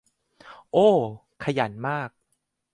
โอว ขยันมาก